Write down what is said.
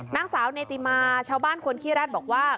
นางสาวเนติมาชาวบ้านคนขี้แร็ดบอกว่า